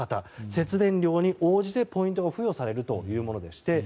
節電量に応じてポイントが付与されるというものでして